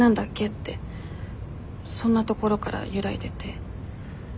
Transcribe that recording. ってそんなところから揺らいでて。